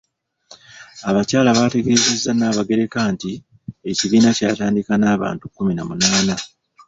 Abakyala baategeezezza Nabagereka nti ekibiina kyatandika n'abantu kkumi na munaana.